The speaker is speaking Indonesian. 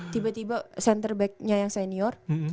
tiba tiba centerbacknya yang senior